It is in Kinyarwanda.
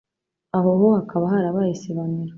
Aho ho hakaba harabaye isibaniro